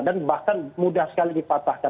dan bahkan mudah sekali dipatahkan